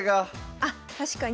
あっ確かに。